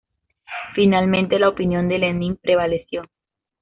Finalmente, la opinión de Lenin prevaleció.